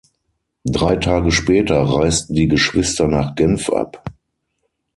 Drei Tage später reisten die Geschwister nach Genf ab.